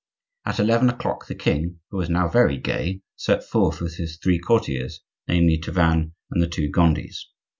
About eleven o'clock the king, who was now very gay, set forth with his three courtiers,—namely, Tavannes and the two Gondis.